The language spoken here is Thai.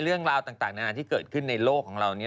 เรื่องราวต่างนานาที่เกิดขึ้นในโลกของเรานี้